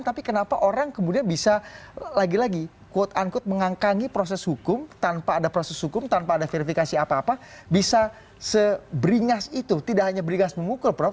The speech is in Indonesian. tapi kenapa orang kemudian bisa lagi lagi quote unquote mengangkangi proses hukum tanpa ada proses hukum tanpa ada verifikasi apa apa bisa seberingas itu tidak hanya beringas memukul prof